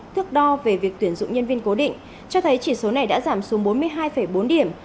thước đo về việc tuyển dụng nhân viên cố định cho thấy chỉ số này đã giảm xuống bốn mươi hai bốn điểm